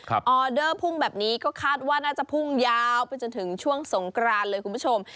ออเดอร์พุ่งแบบนี้ก็คาดว่าน่าจะพุ่งยาวไปจนถึงช่วงสงกรานเลยคุณผู้ชม